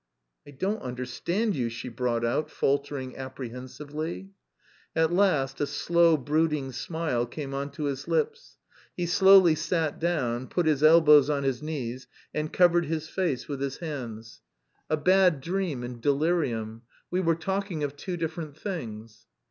"I don't understand you," she brought out, faltering apprehensively. At last a slow brooding smile came on to his lips. He slowly sat down, put his elbows on his knees, and covered his face with his hands. "A bad dream and delirium.... We were talking of two different things."